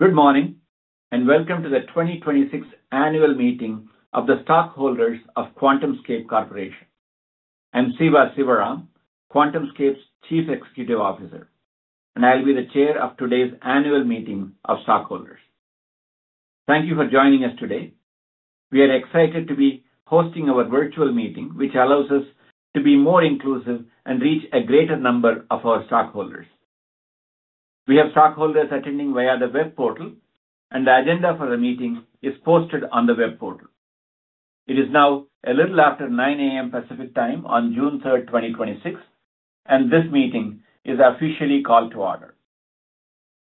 Good morning, and welcome to the 2026 Annual Meeting of the Stockholders of QuantumScape Corporation. I'm Siva Sivaram, QuantumScape's Chief Executive Officer, and I'll be the chair of today's annual meeting of stockholders. Thank you for joining us today. We are excited to be hosting our virtual meeting, which allows us to be more inclusive and reach a greater number of our stockholders. We have stockholders attending via the web portal, and the agenda for the meeting is posted on the web portal. It is now a little after 9:00 A.M. Pacific Time on June 3rd, 2026, and this meeting is officially called to order.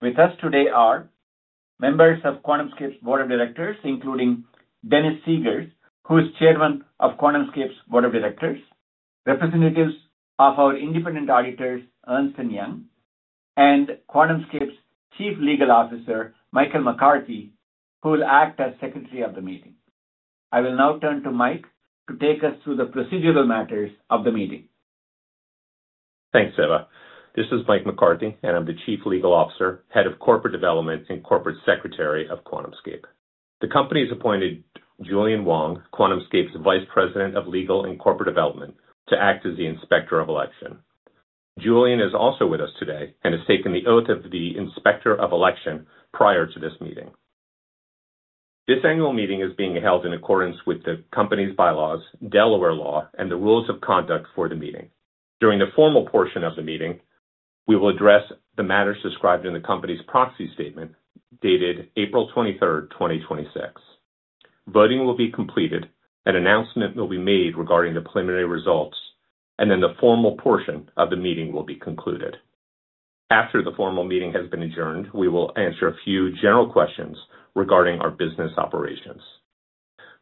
With us today are members of QuantumScape's board of directors, including Dennis Segers, who is chairman of QuantumScape's board of directors, representatives of our independent auditors, Ernst & Young, and QuantumScape's Chief Legal Officer, Michael McCarthy, who will act as secretary of the meeting. I will now turn to Mike to take us through the procedural matters of the meeting. Thanks, Siva. This is Mike McCarthy, and I'm the Chief Legal Officer, Head of Corporate Development, and Corporate Secretary of QuantumScape. The company's appointed Julian Wong, QuantumScape's Vice President of Legal and Corporate Development, to act as the Inspector of Election. Julian is also with us today and has taken the oath of the Inspector of Election prior to this meeting. This annual meeting is being held in accordance with the company's bylaws, Delaware law, and the rules of conduct for the meeting. During the formal portion of the meeting, we will address the matters described in the company's proxy statement dated April 23rd, 2026. Voting will be completed, an announcement will be made regarding the preliminary results, and then the formal portion of the meeting will be concluded. After the formal meeting has been adjourned, we will answer a few general questions regarding our business operations.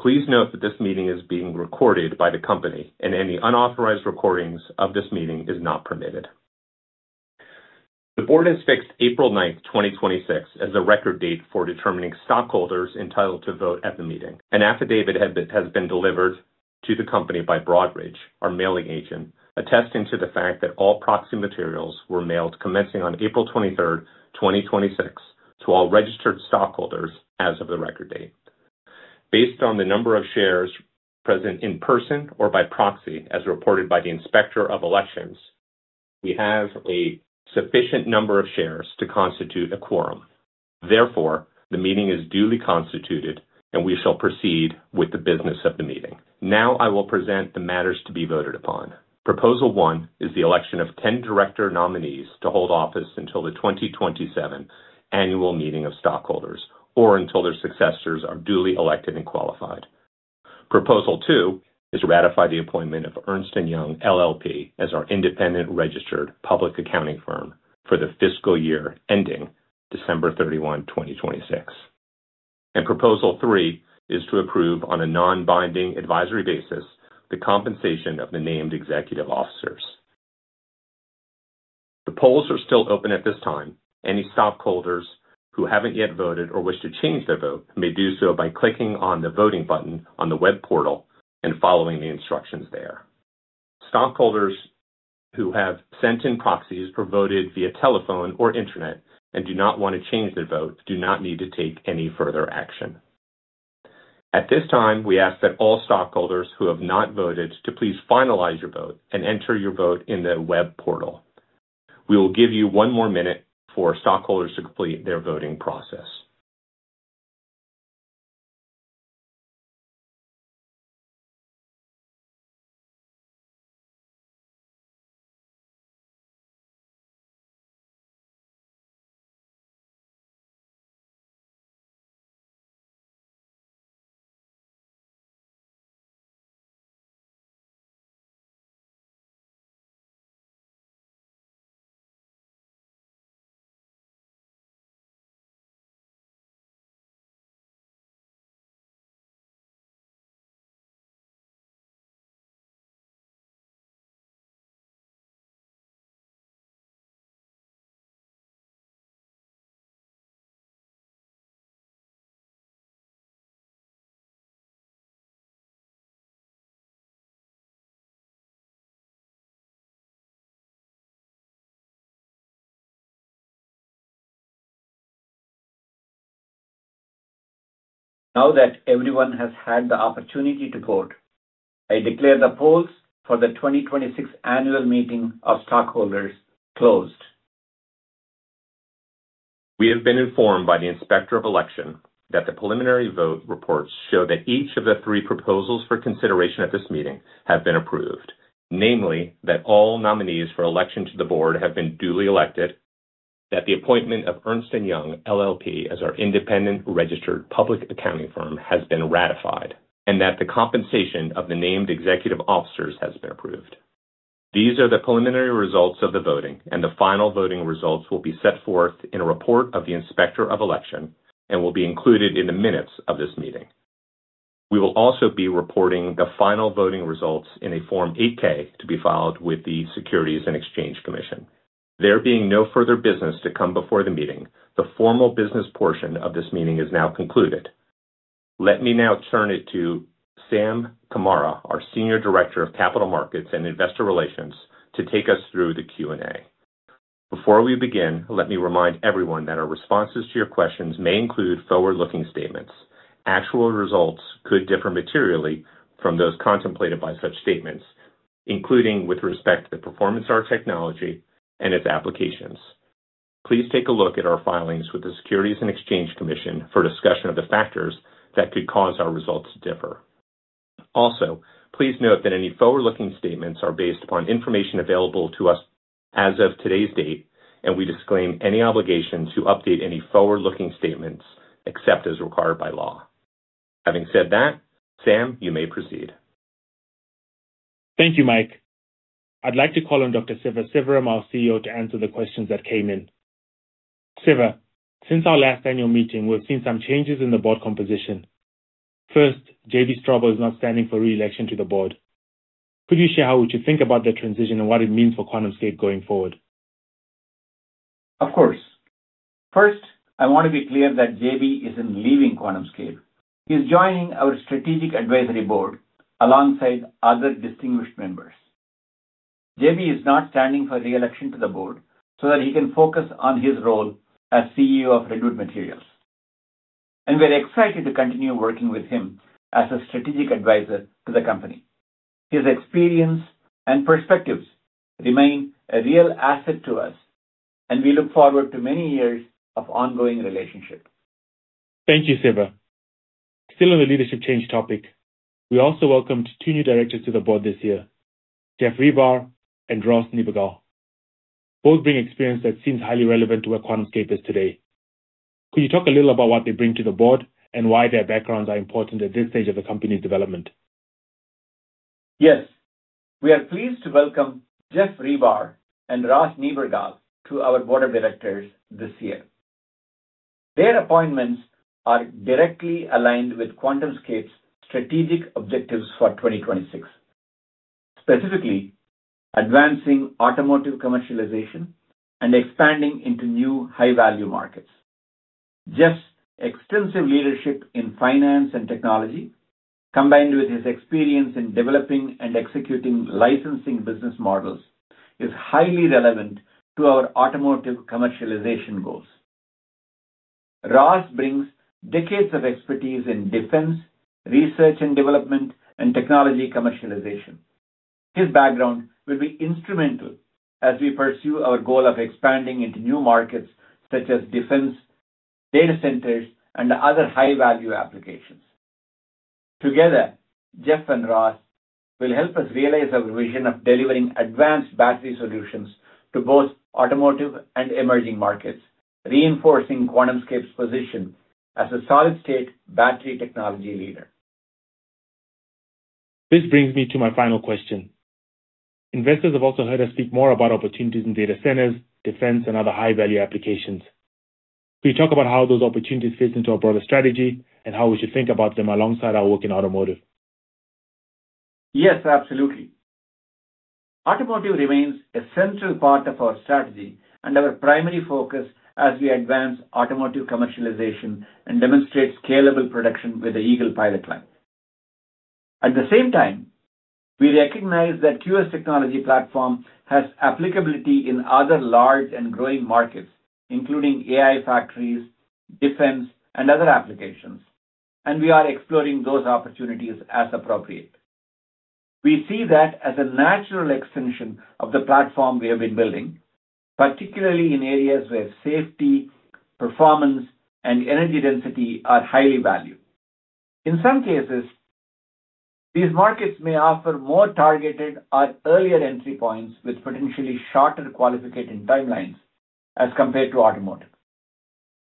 Please note that this meeting is being recorded by the company, and any unauthorized recordings of this meeting is not permitted. The board has fixed April 9th, 2026, as the record date for determining stockholders entitled to vote at the meeting. An affidavit has been delivered to the company by Broadridge, our mailing agent, attesting to the fact that all proxy materials were mailed commencing on April 23rd, 2026, to all registered stockholders as of the record date. Based on the number of shares present in person or by proxy, as reported by the Inspector of Elections, we have a sufficient number of shares to constitute a quorum. Therefore, the meeting is duly constituted, and we shall proceed with the business of the meeting. Now I will present the matters to be voted upon. Proposal one is the election of 10 director nominees to hold office until the 2027 annual meeting of stockholders or until their successors are duly elected and qualified. Proposal two is to ratify the appointment of Ernst & Young LLP as our independent registered public accounting firm for the fiscal year ending December 31, 2026. Proposal three is to approve, on a non-binding advisory basis, the compensation of the named executive officers. The polls are still open at this time. Any stockholders who haven't yet voted or wish to change their vote may do so by clicking on the voting button on the web portal and following the instructions there. Stockholders who have sent in proxies or voted via telephone or internet and do not want to change their vote do not need to take any further action. At this time, we ask that all stockholders who have not voted to please finalize your vote and enter your vote in the web portal. We will give you one more minute for stockholders to complete their voting process. Now that everyone has had the opportunity to vote, I declare the polls for the 2026 Annual Meeting of Stockholders closed. We have been informed by the Inspector of Election that the preliminary vote reports show that each of the three proposals for consideration at this meeting have been approved, namely that all nominees for election to the board have been duly elected, that the appointment of Ernst & Young LLP as our independent registered public accounting firm has been ratified, and that the compensation of the named executive officers has been approved. These are the preliminary results of the voting, and the final voting results will be set forth in a report of the Inspector of Election and will be included in the minutes of this meeting. We will also be reporting the final voting results in a Form 8-K to be filed with the Securities and Exchange Commission. There being no further business to come before the meeting, the formal business portion of this meeting is now concluded. Let me now turn it to Sam Kamara, our Senior Director of Capital Markets and Investor Relations, to take us through the Q&A. Before we begin, let me remind everyone that our responses to your questions may include forward-looking statements. Actual results could differ materially from those contemplated by such statements, including with respect to the performance of our technology and its applications. Please take a look at our filings with the Securities and Exchange Commission for a discussion of the factors that could cause our results to differ. Please note that any forward-looking statements are based upon information available to us as of today's date, and we disclaim any obligation to update any forward-looking statements except as required by law. Having said that, Sam, you may proceed. Thank you, Mike. I'd like to call on Dr. Siva Sivaram, our CEO, to answer the questions that came in. Siva, since our last annual meeting, we've seen some changes in the board composition. First, J.B. Straubel is not standing for re-election to the board. Could you share how we should think about that transition and what it means for QuantumScape going forward? Of course. First, I want to be clear that J.B. isn't leaving QuantumScape. He's joining our strategic advisory board alongside other distinguished members. J.B. is not standing for re-election to the board so that he can focus on his role as CEO of Redwood Materials, and we're excited to continue working with him as a strategic advisor to the company. His experience and perspectives remain a real asset to us, and we look forward to many years of ongoing relationship. Thank you, Siva. Still on the leadership change topic, we also welcomed two new directors to the board this year, Geoff Ribar and Ross Niebergall. Both bring experience that seems highly relevant to where QuantumScape is today. Could you talk a little about what they bring to the board and why their backgrounds are important at this stage of the company's development? Yes. We are pleased to welcome Geoff Ribar and Ross Niebergall to our board of directors this year. Their appointments are directly aligned with QuantumScape's strategic objectives for 2026, specifically advancing automotive commercialization and expanding into new high-value markets. Geoff's extensive leadership in finance and technology, combined with his experience in developing and executing licensing business models, is highly relevant to our automotive commercialization goals. Ross brings decades of expertise in defense, research and development, and technology commercialization. His background will be instrumental as we pursue our goal of expanding into new markets such as defense, data centers, and other high-value applications. Together, Geoff and Ross will help us realize our vision of delivering advanced battery solutions to both automotive and emerging markets, reinforcing QuantumScape's position as a solid state battery technology leader. This brings me to my final question. Investors have also heard us speak more about opportunities in data centers, defense, and other high-value applications. Could you talk about how those opportunities fit into our broader strategy and how we should think about them alongside our work in automotive? Yes, absolutely. Automotive remains a central part of our strategy and our primary focus as we advance automotive commercialization and demonstrate scalable production with the Eagle Pilot Plant. At the same time, we recognize that QS technology platform has applicability in other large and growing markets, including AI factories, defense, and other applications, and we are exploring those opportunities as appropriate. We see that as a natural extension of the platform we have been building, particularly in areas where safety, performance, and energy density are highly valued. In some cases, these markets may offer more targeted or earlier entry points with potentially shorter qualification timelines as compared to automotive.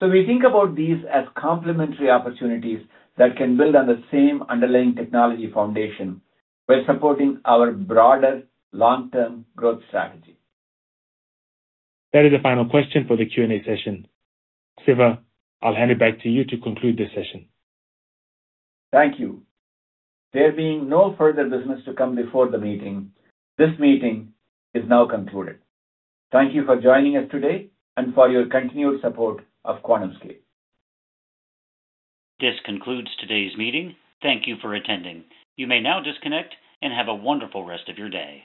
We think about these as complementary opportunities that can build on the same underlying technology foundation while supporting our broader long-term growth strategy. That is the final question for the Q&A session. Siva, I'll hand it back to you to conclude this session. Thank you. There being no further business to come before the meeting, this meeting is now concluded. Thank you for joining us today and for your continued support of QuantumScape. This concludes today's meeting. Thank you for attending. You may now disconnect and have a wonderful rest of your day.